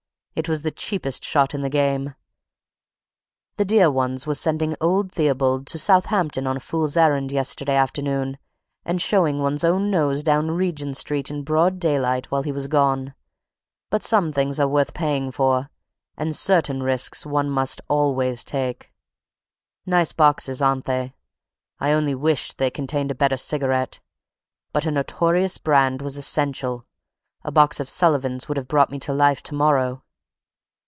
It was the cheapest shot in the game; the dear ones were sending old Theobald to Southampton on a fool's errand yesterday afternoon, and showing one's own nose down Regent Street in broad daylight while he was gone; but some things are worth paying for, and certain risks one must always take. Nice boxes, aren't they? I only wished they contained a better cigarette; but a notorious brand was essential; a box of Sullivans would have brought me to life to morrow."